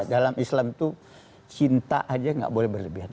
dalam islam itu cinta aja gak boleh berlebihan